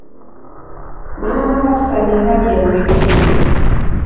Maana hasa ni hali ya "umiliki".